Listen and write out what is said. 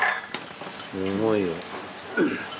すごいよ。